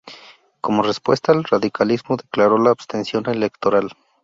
Como respuesta el radicalismo declaró la abstención electoral.